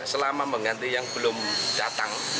selama mengganti yang belum datang